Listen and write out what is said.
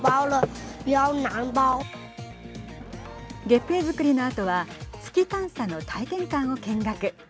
月餅づくりのあとは月探査の体験館を見学。